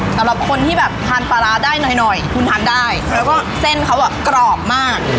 สำหรับคนที่แบบทานปลาร้าได้หน่อยคุณทานได้แล้วก็เส้นเขาอ่ะกรอบมาก